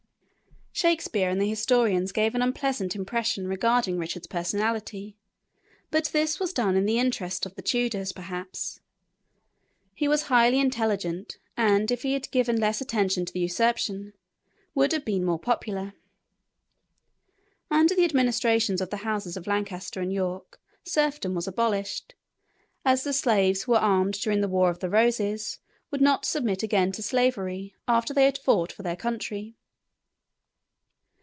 Shakespeare and the historians give an unpleasant impression regarding Richard's personality; but this was done in the interests of the Tudors, perhaps. He was highly intelligent, and if he had given less attention to usurpation, would have been more popular. Under the administrations of the houses of Lancaster and York serfdom was abolished, as the slaves who were armed during the War of the Roses would not submit again to slavery after they had fought for their country.